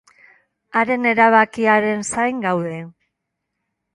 Haren erabakiaren zain gaude.